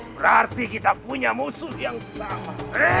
berarti kita punya musuh yang sama